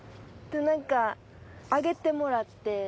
なんか上げてもらって。